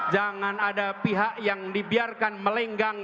jangan ada pihak yang dibiarkan melenggang